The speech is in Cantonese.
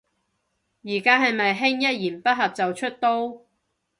而家係咪興一言不合就出刀